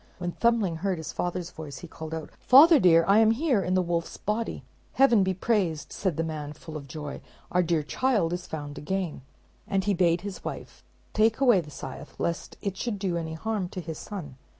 When Thumbling heard his father's voice, he called out, "Father dear, I am here, in the wolf's body!" "Heaven be praised," said the man, full of joy, "our dear child is found again;" and he bade his wife take away the scythe, lest it should do any harm to his son.